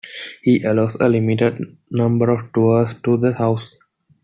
He allows a limited number of tours to the house.